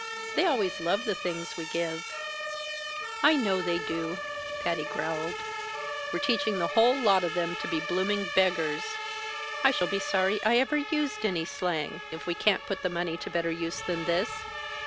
They always love the things we give." "I know they do!" Patty growled. "We're teaching the whole lot of them to be blooming beggars I shall be sorry I ever used any slang, if we can't put the money to better use than this."